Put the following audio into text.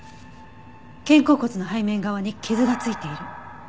肩甲骨の背面側に傷がついている。